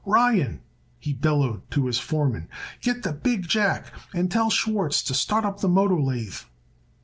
"Ryan," he bellowed to his foreman, "get the big jack, and tell Schwartz to start up the motor lathe."